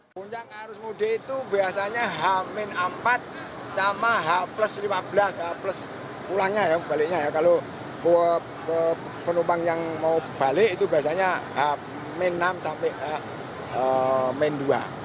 pertama penumpang yang mau balik itu biasanya hampir enam sampai hampir dua